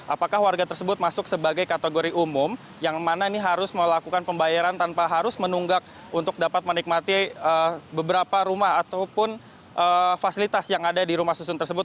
apakah warga tersebut masuk sebagai kategori umum yang mana ini harus melakukan pembayaran tanpa harus menunggak untuk dapat menikmati beberapa rumah ataupun fasilitas yang ada di rumah susun tersebut